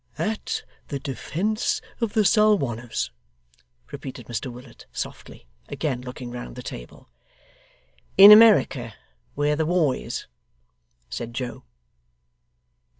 'At the defence of the Salwanners,' repeated Mr Willet, softly; again looking round the table. 'In America, where the war is,' said Joe.